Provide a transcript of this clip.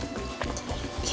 iya juga ya